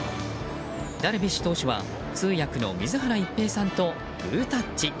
ダルビッシュ投手は通訳の水原一平さんとグータッチ。